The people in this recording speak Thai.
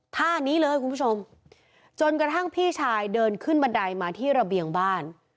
ท่านี้เลยคุณผู้ชมจนกระทั่งพี่ชายเดินขึ้นบันไดมาที่ระเบียงบ้าน